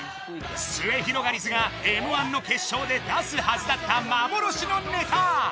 すゑひろがりずがＭ−１の決勝で出すはずだった幻のネタ